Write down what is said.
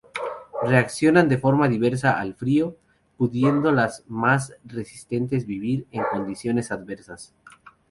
Reaccionan de forma diversa al frío, pudiendo las más resistentes vivir en condiciones adversas.